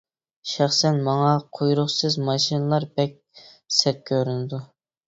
شەخسەن ماڭا قۇيرۇقسىز ماشىنىلار بەك سەت كۆرۈنىدۇ.